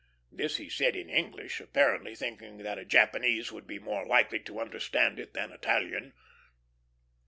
This he said in English, apparently thinking that a Japanese would be more likely to understand it than Italian.